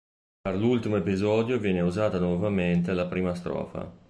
Per l'ultimo episodio viene usata nuovamente la prima strofa.